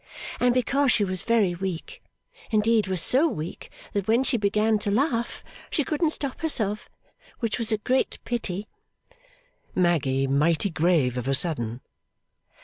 ' And because she was very weak; indeed was so weak that when she began to laugh she couldn't stop herself which was a great pity ' (Maggy mighty grave of a sudden.)